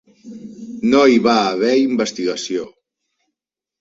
No hi va haver investigació.